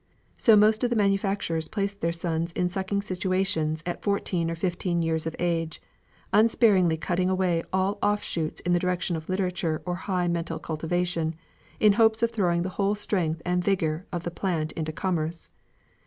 So most of the manufacturers placed their sons in situations at from fourteen or fifteen years of age, unsparingly cutting away all off shoots in the direction of literature or high mental cultivation, in hopes of throwing the whole strength and vigour of the plant into commerce.